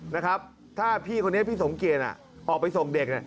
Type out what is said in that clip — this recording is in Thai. นะครับถ้าพี่คนนี้พี่สงเกณฑ์น่ะออกไปส่งเด็กน่ะ